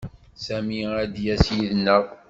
Sami ad d-yas yid-neɣ.